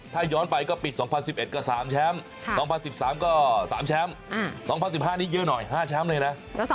ถ้าย้อนไปก็ปิด๒๐๑๑ก็๓แชมป์๒๐๑๓ก็๓แชมป์๒๐๑๕นี้เยอะหน่อย๕แชมป์เลยนะ